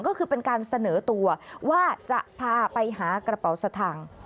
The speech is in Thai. ก็คือเป็นการเสนอตัวว่าจะพาไปหากระเป๋าสตังค์